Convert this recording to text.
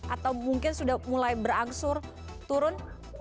atau mungkin sudah mulai berangsur turun